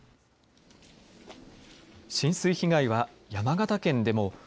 浸水被害は山形県でも。